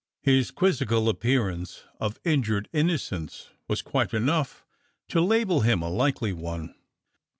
His quizzical appearance of injured innocence was quite enough to label him a "likely one."